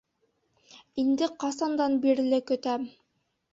Инде ҡасандан бирле көтәм!